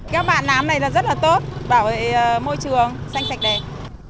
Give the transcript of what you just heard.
các bạn làm này là rất là tốt bảo môi trường xanh sạch đẹp